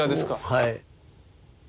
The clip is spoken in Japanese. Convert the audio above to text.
はい。